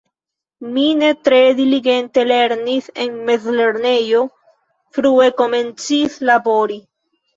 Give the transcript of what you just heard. Mi ne tre diligente lernis en mezlernejo, frue komencis labori.